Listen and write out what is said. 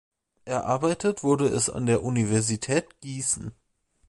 Erarbeitet wurde es an der Universität Gießen.